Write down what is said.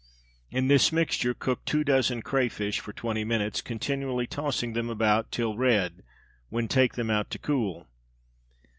In this mixture cook two dozen crayfish for twenty minutes, continually tossing them about till red, when take them out to cool.